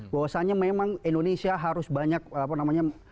bahwasannya memang indonesia harus banyak apa namanya